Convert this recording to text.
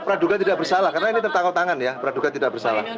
praduga tidak bersalah karena ini tertangkap tangan ya praduga tidak bersalah